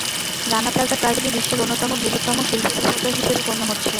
Rana Plaza tragedy বিশ্বের অন্যতম বৃহত্তম শিল্প বিপর্যয় হিসেবে গণ্য হচ্ছে।